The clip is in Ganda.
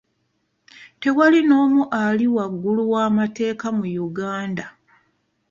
Tewali n'omu ali waggulu w'amateeka mu Uganda.